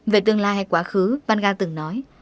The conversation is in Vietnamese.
về tương lai hay quá khứ vanga từng nói